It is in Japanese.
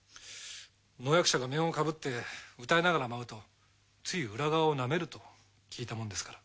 能役者が面をかぶって謡いながら舞うとつい裏側を舐めると聞いたもんですから。